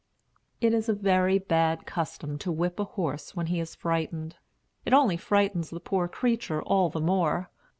It is a very bad custom to whip a horse when he is frightened. It only frightens the poor creature all the more.